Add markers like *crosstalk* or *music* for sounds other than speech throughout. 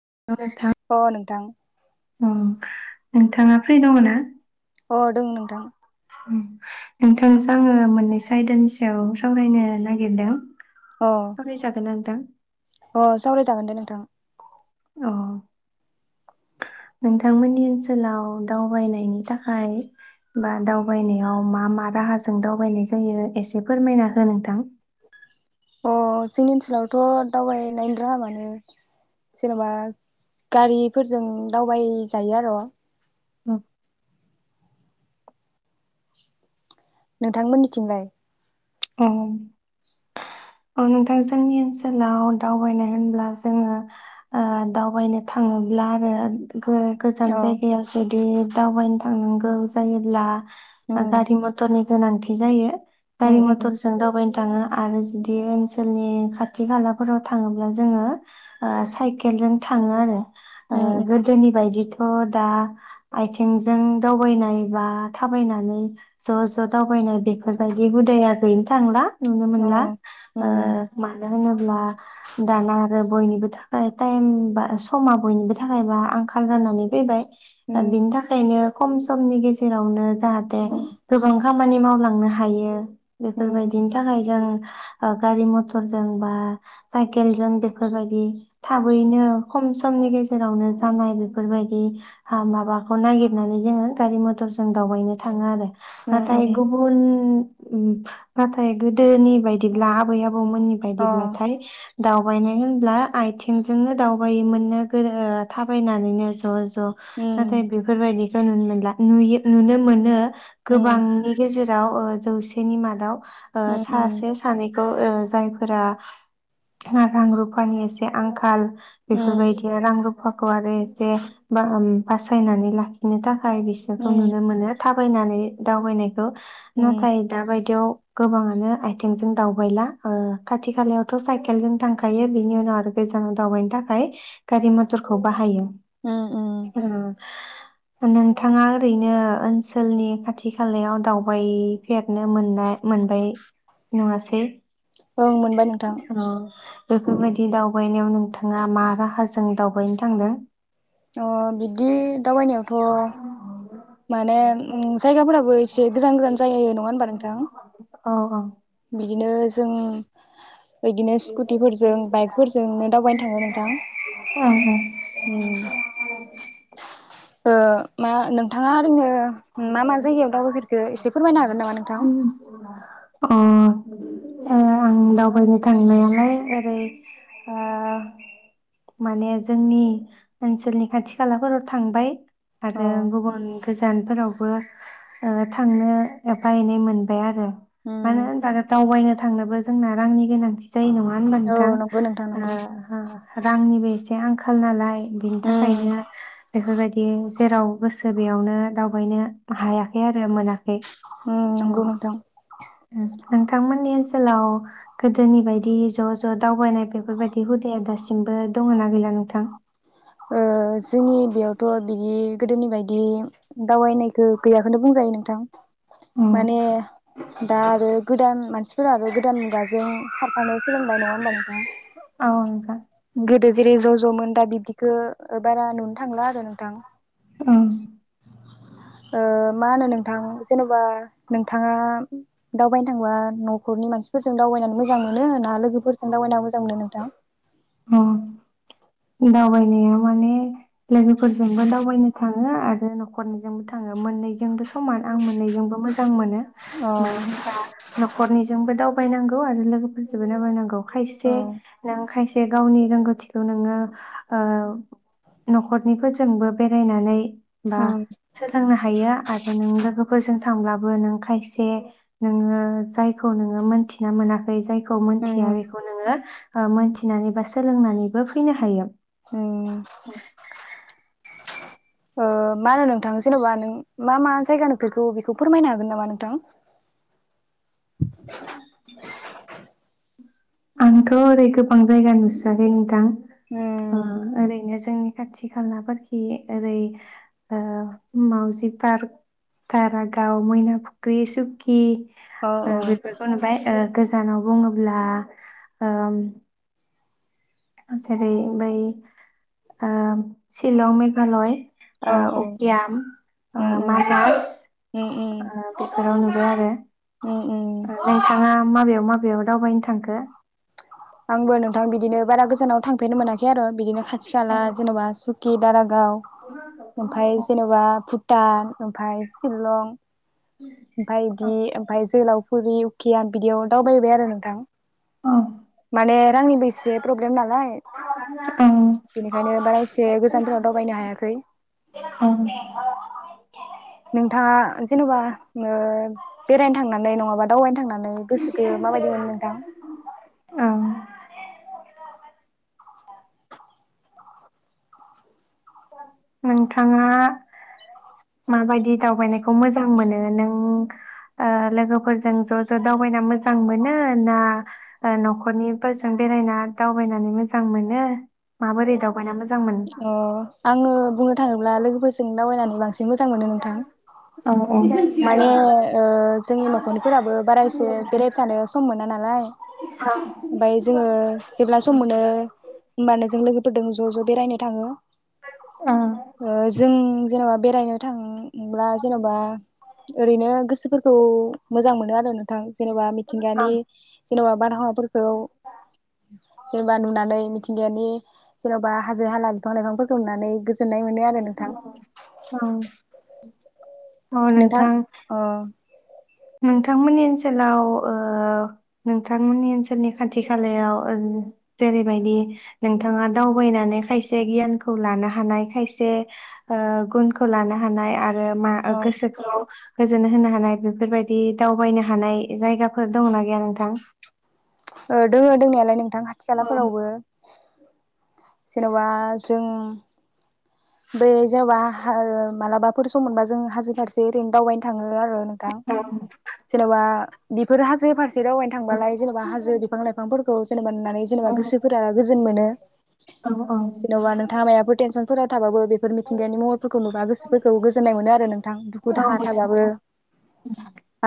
*unintelligible* अ नोंथां ओ नोंथाङा फ्रि दङ ना? अ दं नोंथां। नोंथांजों आङो मोननैसो आयदानि सायाव सावरायनो नागिरदों। अ सावरायजागोन ना नोंथां? अ सावरायजागोन दे नोंथां। अ नोंथांमोननि ओनसोलाव दावबायनायनि थाखाय बा दावबायनायाव मा मा राहाजों दावबायनाय जायो एसे फोरमायना हो नोंथां। अ जोंनि ओनसोलावथ' दावबायनाय *unintelligible* जेनबा गारिफोरजों दावबायजायो आरो। ओं नोंथांमोननिथिंलाय? औ औ नोंथां जोंनि ओनसोलाव दावबायनाय होनब्ला जोङो ओ दावबायनो थाङोब्ला आरो गो गोजान अ जायगायाव जुदि दावबायनो थांनांगौ जायोब्ला उम गारि मथ'रनि गोनांथि जायो। उम उम। दावाबायनो थाङो आरो जुदि ओनसोलनि खाथि खालाफोराव थाङोब्ला जोङो ओ साइकेलजों थाङो आरो। आ उम उम गोदोनि बायदि थ दा आयथेंजों दावबायनाय बा थाबायनानै ज' ज' दावबायनाय बेफोरबायदि हुदाया गैनो थांला। नुनो अ मोनला ओ उम मानो होनोब्ला दाना आरो बयनिबो थाखाय टाइम बा समा बयनिबो थाखायबा आंखाल जानानै फैबाय। दा उम बिनि थाखायनो खम समनि गेजेरावनो जाहाथे उम गोबां खामानि मावलांनो हायो। उम बेफोरबायदिनि थाखाय जों ओ गारि मथ'रजों बा साइकेलजों बेफोरबायदि थाबैनो अ खम समनि गेजे जेरावनो जानाय बेफोरबायदि। हा माबाखौ नागिर नानै जोङो गारि मथ'रजों दावबायनो था थाङो आरोे उम नाथाय गुबुन उम। नाथाय गोदोनि बायदिब्ला आबै आब बौमोननि अ बायदिब्लाथाय दावबायनाय होनब्ला आयथिंजोंनो दावबायोमोननो गोदो थाबायनानैनो ज' ज नाथाय उम बेफोरबायदि। नुनो मोनला नुयो नुनो मोनो। उम गोबांनि गेजेर याव ओ जौसेनि मादाव ओ उम उम सासे सानै ओ ओ जायफोरा रां रुफानि एसे आंखाल उम बेफोरबायदिया रां रुप फाखौ आरो एसे बा बासायनानै लाखिनो था खाय बिसोरखौ उम नुनो मोनो थाब फैनानै दावबायनाय खौ उम नाथाय दा बायदियाव गोबाङानो आयथेंजों दावबायला ओ खाथि खालायावथ' साइकेलजों थांखायो बिनि उनाव आरो गोजानाव दावबायनो थाखाय गारि मथरखौ बाहायो। उम उम नोंथाङा ओरैनो ओनसोलनि खाथि खालायाव दावबायफेरनो मोनना मोनबाय नङासै? औ मोनबाय नोंथां। औ बेफोरबायदि दावबायनायाव नोंथाङा मा राहाजों दावबायनो थांदों? अ' बिदि दावबायनायावथ' माने उम जायगाफोराबो एसे गोजान गोजान जायो नङा होमबा नोंथां? अ' बिदिनो जों बिदिनो उम स्कुटिफोरजों उम। बाइकफोरजोंनो दावबायनो थाङो नोंथां उम ओ मा नोंथाङा *unintelligible* मा मा जायगायाव दावबायफेरखो एसे फोरमायनो हागोन नामा नोंथां? अ' ओ आं दावबायनो थांनायालाय ओरै ओ माने जोंनि ओनसोलनि खाथि खालाफोराव थांबाय। आरो अ गुबुन गोजानफोरावबो ओ थांनो एफा एनै मोनबाय आरो। मानो उम होनबानो दावबायनो था थांनोबो जोंना रांनि गोनांथि जायो नङा होनबा औ नोंथां नंगौ नोंथां औ नंगौ हा रांनिबो एसे आंखा खाल नालाय बिनि उम थाखायनो बेफोरबायदि जेराव गोसो बेयावनो बयनो हायाखै आरो मोनाखै उम नंगौ नोंथां उम नोंथांमोननि ओन सोलाव गोदोनि बायदि ज' ज' दावबायनाय बेफोरबायदि हुदाया दासिमबो दङ ना गैला नोंथां? ओ जोंनि बेयावथ' बिदि गोदोनि बायदि दावबायनायखौ गैयाखौनो बुंजायो नोंथां। औ माने दा आरो गोदान मानसि फोरा आरो गोदान मुगाजों खारफानो सोलोंबाय नङा होमबा नोंथां? औ नोंथां। गोदो जेरै ज' ज'मोन दा बिब्दिखो ओ बारा नुनो थांला आरो नोंथां। उम ओ मा होनो नोंथां जेन'बा नोंथाङा दावबायनो थांबा न'खरनि मानसिफोरजों दावबायनानै। मोजां मोनो होना लोगोफोर जों दावबायना मोजां मोनो नोंथां? औ दावबायनाया माने। लोगोफोरजोंबो दाव बानो थाङो आरो न'खरनिजोंबो थाङो मोननैजोंबो समान आं मोननैजोंबो मोजां मोनो। अ मानो होनबा न'खरनिजोंबो दाव बायनांगौ आरो लोगोफोरजोंबो न बायनांगौ। औ खायसे नों खायसे। जे गावनि रोंगौथिखौ नोङो। ओ न'खरनि फोरजोंबो बेरायनानै। बा उम सोलोंनो हायो आरो नों लोगोफोरजों। थांब्लाबो नों खायसे नोङो जायखौ नोङो मोनथिना मोनाखै जाय। खौ उम मोनथिया बेखौ नोङो। ओ मोनथिनानै बा सोलोंनानैबो फैनो। हायो। ओंम। ओ मा होनो नोंथां जेन'बा नों मा मा जायगा नोफेरखो बेखौ फोरमायनो हागोन नामा नोंथां। *inaudible* आंथ' ओरै गोबां जायगा नुसयाखै नोंथां। ओ उम आरैनो। जोंनि खाथि खालाफोरखि ओरै ओ मावजि पार्क दारागाव मैना फुख्रि सुकि। औ ओ औ बेफोरखौ नुबाय ओ गोजानाव। बुङोब्ला। ओम। जेरै बै ओ सिलं मेघालय। औ ओ औ अकयाम उम उम मानास उम उम ओ उम बेफोराव नुबाय आरो। उम *inaudible* नोंथाङा माबायाव मा। बेयाव दावबायनो थांखो। आंबो नों। थां बिदि बारा गोजानाव थांफेरनो मोनाखै। खै आरो बिदिनो खा। औ थिखाला जेनबा सु। कि दारा। गाव ओमफाय जेन'बा भुटान। ओमफाय सिलं ओमफाय दि ओमफाय जोहोलाव फुरि उकियान बिदियाव दावबाय बाय आरो नोंथां माने रांनिबो एसे प्रब्लेम नालाय बेनिखायनो औ बारा एसे गोजानफोराव दावबायनो हायाखै औ *inaudible* नोंथाङा जेनेबा ओ बेरायनो थांनानै नङाबा दावबायनो थांनानै गोसो खौ माबायदि मोनो नोंथां औ नोंथाङा माबायदि दावबायनायखौ मोजां मोनो नों ओ लोगोफोरजों ज' ज' दावबायना मोजां मोनो ना न'खरनिफोरजों बेरायना दावबायनानै मोजां मोनो माबोरै दावबायना मोजांमोनो अ आङो बुंनो थाङोब्ला लोगोफोरजों दावबायनानै बांसिन मोजां मोनो नोंथां औ औ माने ओ जोंनि न'खरनिफोराबो बारा इसे बेरायबाय थानो सम मोना नालाय ओमफाय जोङो जेब्ला सम मोनो होमबानो जों लोगोफोरदों ज' ज' बेरायनो थाङो औ ओ जों जेनेबा बेरायनो थांब्ला जेनेबा ओरैनो गोसोफोरखौ मोजां मोनो आरो नोंथां जेनेबा मिथिंगानि बा बारहावाफोरखौ जेनेबा नुनानै मिथिंगायानि जेनेबा हाजो हाला बिफां लाइफांफोरखौ नुनानै गोजोननाय मोन नों आरो नोंथां औ नोंथां अ नोंथांमोननि ओनसोलाव ओ नोंथांमोननि ओनसोलनि खाथि खालायाव ओ जेरैबायदि नोंथाङा दावबायनानै खायसे गियानखौ लानो हानाय खायसे ओ गुनखौ लानो हानाय आर ओ मा अ गोसोखौ गोजोन होनो हानाय बेफोरबायदि दि दावबायनो हानाय जायगाफोर दङ' ना गैया नोंथां ओ दोङो दोंनायालाय नों थां खाथि खालाफोरावबो जेनेबा जों बेै जेबा हा मालाबाफोर सम मोनबा जों हाजो फारसे ओरैनो दावबायनो थाङो ओ आरो नोंथां जेनेबा बेफोरो हाजो फारसे दावनो थांबालाय जेनेबा हाजो बिफां लाइफांफोरखौ जेनेबा नुनानै जेनेबा गोसोफोरा गोजोन मोनो औ औ जेनोबा नोंथाङा मायाबो टेनसनफोरा थाबाबो बेफोर मिथिंगायानि महरफोरखौ नुबा गोसोफोरखौ गोजोन्नाय मोनो आरो नोंथां दुखु दाहा थाबाबो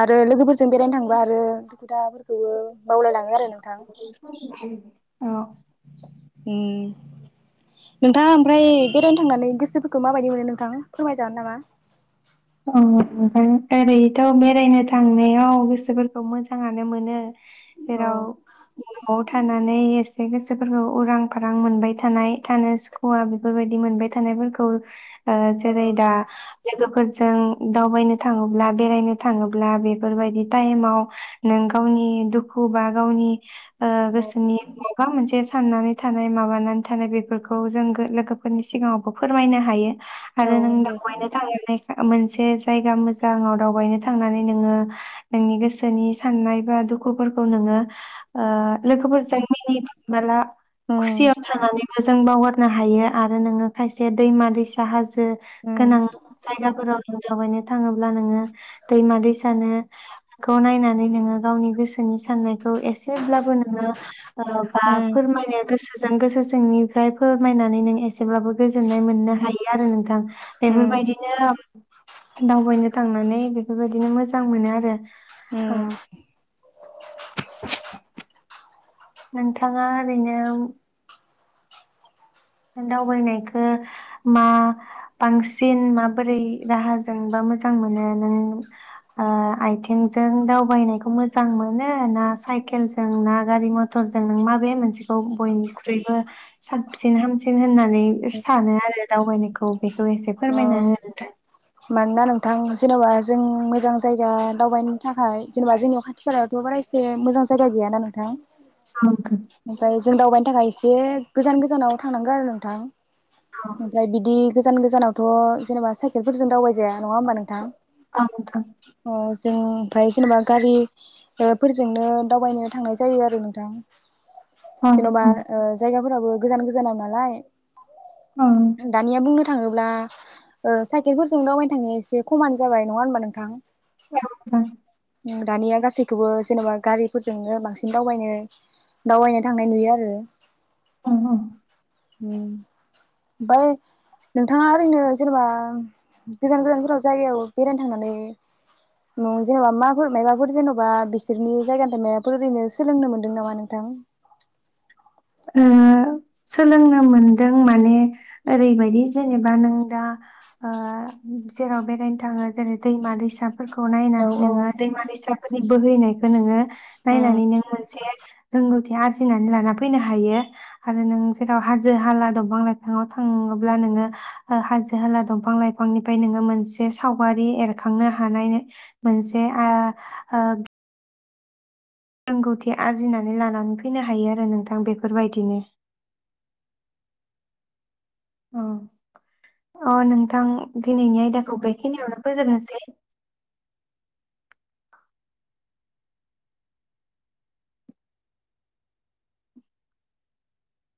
आरो लोगोफोरजों बेरायनो थांबा आरो दुखु दाहाफोरखौबो बावलायलाङो आरो नोंथां औ ओम नोंथाङा ओमफ्राय बेरायनो थांनानै गोसोफोरखौ माबायदि मोनो नोंथां फोरमायजागोन नामा ओम ओरैथ' बेरायनो थांनायाव गोसोफोरखौ मोजाङानो मोनो। औ जेराव नआव थानानै एसे गोसोफोरखौ उरां फारां मोनबाय थानाय थानो सुखुवा बेफोरबायदि मोनबाय थानायफोरखौ ओ औ जेरैदा लोगोफोर ज जों दावबायनो थाङोब्ला बेरायनो थाङोब्ला बेफोरबायदि टाइमाव नों गावनि दुखु बा गावनि ओ गोसोनि माबा मोनसे साननानै थानाय माबानानै थानाय बेफोरखौ जों गो लोगोफोरनि सिगाङावबो फोरमायनो हायो। आरो नों नंगौ दावबायनो थांनानै। मोनसे जायगा मोजाङाव दावबायनो थांनानै नोङो नोंनि गोसोनि साननाय बा दुखुफोरखौ नोङो ओ लोगोफोरजों मिनि माला उम खुसियाव थानानै जों बावहरनो हायो आरो नोङो खायसे दैमा दैसा हाज उम जों गोनां फोराव नों दावबायनो थाङोब्ला नोङो दैमा दैसानो खौ नायनानै नोङो गावनि गोसोनि साननाय खौ एसेब्लाबो नोङो ओ बा उम फोरमाय गोसो जों गोसो सिंनिफ्राय फोरमायनानै नों एसेब्लाबो गोजोननाय मोननो हायो आरो नोंथां। उम बेफोरबायदि *unintelligible* दावबायनो थांनानै बेफोरबायदिनो मोजां मोनो आरो‌ उम नोंथाङा ओरैनो दावबायनायखौ मा बांसिन माबोरै राहाजोंबा मोजां मोनो नों ओ आयथिंजों दावबायनायखौ मोजां मोनो ना साइकेलजों ना गारि मथरजों नों माबे मोनसेखौ बयनिख्रुइबो साबसिन हामसि सिन होननानै सानो आरो दावबायनायखौ। बेखौ एसे अ फोरमायना हो नोंथां। मानोना नोंथां जेनेबा जों मोजां जायगा दावबायनो थाखाय जेनेबा जोंनियाव खाथि खालायावथ' बारा एसे मोजां जायगा गैयाना नोंथां। ओमफ्राय *inaudible* जों दावबायनो थाखाय एसे गोजान गोजानाव थांनांगौ आरो नोंथां। ओमफ्राय बिदि गोजान गोजानाव थ' जेनेबा साइकेलफोरजों दावबाय जा जाया नङा होमबा नोंथां नोंथां अ जों ओमफ्राय जेनेबा गारि ओ फोरजोंनो दावबायनो थांनाय जायो आरो नोंथां। औ नोंथां औ जेन'बा ओ जायगाफोराबो गोजान गोजानाव नोंथां नालाय। औ दानिया बुंनो। थांङोब्ला ओ साइकेलफोरजों दावबायायनो थांङा एसे खमानो जाबाय नङा हबा नोंथां। नोंथां दानिया गासैखौबो जेनेबा गारिफोरजोंनो बांसिन दावबायनो दावबायनो थांनाय नुयो आरो। अ। ओमफाय नोंथाङा ओरैनो जेनेबा गोजान गोजानफोराव जायगायाव बेरायनो थांनानै जेनेबा माफोर माबाफोर जेन'बा बिसोरनि जायगानिफ्राय माबाफोर ओरैनो सोलोंनो मोनदों नामा नोंथां। ओ सोलोंनो मोनदों माने ओरैबायदि जेनेबा नों दा ओ जेराव बेरायनो थाङो जेरै दैमा दैसा। फोरखौ औ नायनानै औ नोङो दैमा दैसा। नि बोहैनायखौ नोंङो। उम नायनानै नों मोनसे रोंगौ। आरजिनानानै लाना। फैनो हायो आरो नों जेराव हाजो हाला दंफां लाइफाङाव थाङोब्ला नोङो ओ-हाजो हाला दंफां लाइफांनिफ्राय नोङो मोनसे सावगारि एरखांनो हानाय मोनसे आ ओ- रोंगौथि आरजिनानै लानानै फैनो हायो आरो नोंथां बेफोरबायदिनो अ अ नोंथां दिनैनि आयदाखौ बेखिनियावनो फोजोबनोसै।